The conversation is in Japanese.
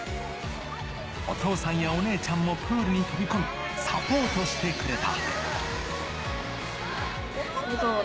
お父さんやお姉ちゃんもプールに飛び込み、サポートしてくれた。